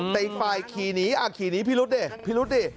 แต่อีกฝ่ายขี่หนีอ่าขี่หนีพี่รุ๊ดดิพี่รุ๊ดดิ